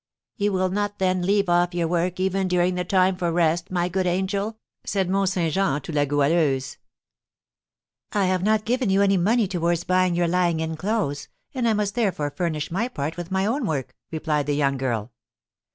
"You will not then leave off your work even during the time for rest, my good angel?" said Mont Saint Jean to La Goualeuse. "I have not given you any money towards buying your lying in clothes, and I must therefore furnish my part with my own work," replied the young girl.